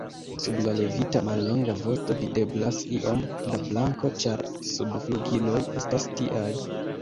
Sub la levita mallonga vosto videblas iom da blanko, ĉar subflugiloj estas tiaj.